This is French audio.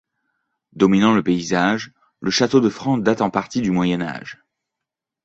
Dominant le paysage, le château de Francs date en partie du Moyen Âge.